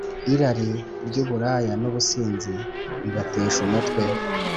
Irari ry’uburaya n’ubusinzi bibatesha umutwe,